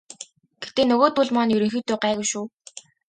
Гэхдээ нөгөөдүүл маань ерөнхийдөө гайгүй шүү.